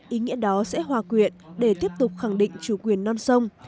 ý nghĩa đó sẽ hòa quyện để tiếp tục khẳng định chủ quyền non sông